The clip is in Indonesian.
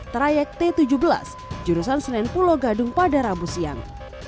trayek t tujuh belas jurusan senen pulau gadung pada rabu siang